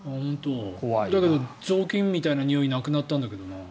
だけど雑巾みたいなにおいなくなったんだけどな。